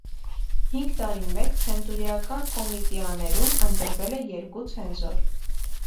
Հինգ տարին մեկ ցենտուրիական կոմիտիաներում ընտրվել է երկու ցենզոր։